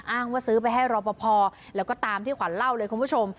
อ้างว่าซื้อไปให้รอปภแล้วก็ตามที่ขวัญเล่าเลยคุณผู้ชม